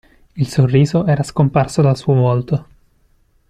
Il sorriso era scomparso dal suo volto.